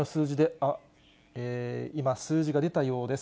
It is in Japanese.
あっ、今、数字が出たようです。